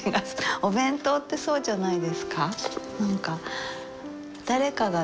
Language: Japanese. お弁当ってそうじゃないですか？